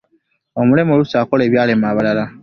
Omulema oluusi akola ebyalema abalamu.